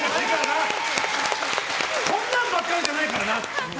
こんなんばっかりじゃないからな。